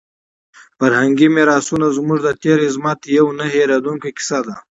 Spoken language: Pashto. فرهنګي میراثونه زموږ د تېر عظمت یوه نه هېرېدونکې کیسه ده.